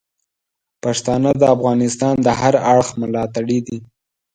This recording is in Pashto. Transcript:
پښتانه د افغانستان د هر اړخ ملاتړي دي.